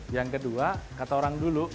yang kedua kata orang dulu